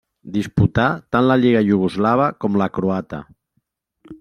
Disputà tant la lliga iugoslava com la croata.